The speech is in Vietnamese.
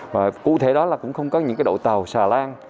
và cụ thể đó là cũng không có những đội tàu xà lan